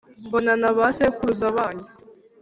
mbona n’abasekuruza banyu